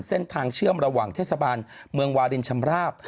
เส้นทางเชื่อมระหว่างเทศบาลเมืองวารินชำราบ